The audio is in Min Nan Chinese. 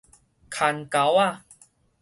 牽勾仔